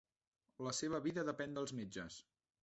La seva vida depèn dels metges.